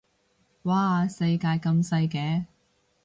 嘩世界咁細嘅